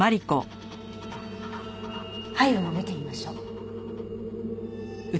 背部も見てみましょう。